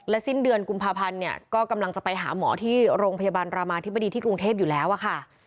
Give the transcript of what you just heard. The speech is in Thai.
สิ้นเดือนกุมภาพันธ์เนี่ยก็กำลังจะไปหาหมอที่โรงพยาบาลรามาธิบดีที่กรุงเทพอยู่แล้วอะค่ะ